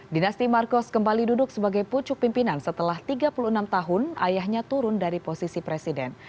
dinasti marcos kembali duduk sebagai pucuk pimpinan setelah tiga puluh enam tahun ayahnya turun dari posisi presiden